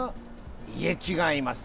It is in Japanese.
いえ、違います。